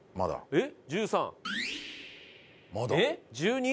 えっ！？